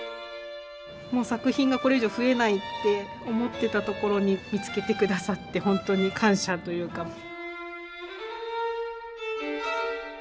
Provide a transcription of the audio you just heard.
もう作品がこれ以上増えないって思ってたところに見つけて下さってほんとに感謝というか。